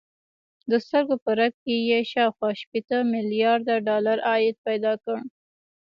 د سترګو په رپ کې يې شاوخوا شپېته ميليارده ډالر عايد پيدا کړ.